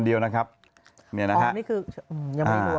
อ๋อนี่คือยังไม่รวม